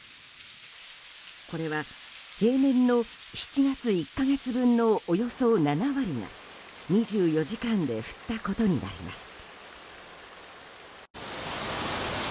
これは平年の７月１か月分のおよそ７割が２４時間で降ったことになります。